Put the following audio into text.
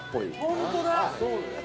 ◆本当だ。